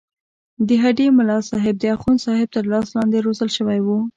د هډې ملاصاحب د اخوندصاحب تر لاس لاندې روزل شوی وو.